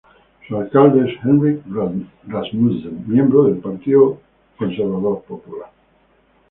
Su alcalde es Henrik Rasmussen, miembro del Partido Popular Conservador.